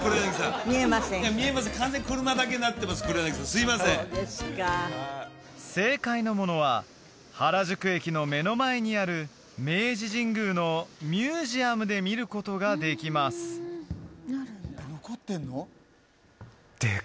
すいませんそうですか正解のものは原宿駅の目の前にある明治神宮のミュージアムで見ることができますえっ？